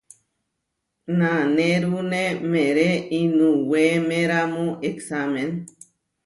Nanérune meeré inuwémeramu eksámen.